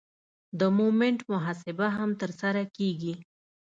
د مومنټ محاسبه هم ترسره کیږي